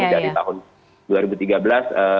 dari tahun dua ribu tiga belas